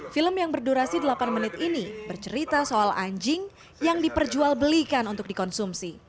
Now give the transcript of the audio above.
film yang berdurasi delapan menit ini bercerita soal anjing yang diperjualbelikan untuk dikonsumsi